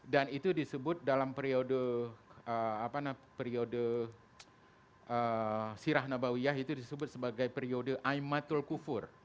dan itu disebut dalam periode sirah nabawiyah itu disebut sebagai periode aymatul kufur